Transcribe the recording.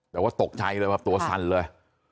แต่ว่าตกใจเลยแบบตัวสั่นเลย